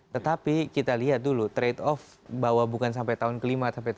tetapi kita lihat dulu trade off bahwa bukan sampai tahun kelima sampai tiga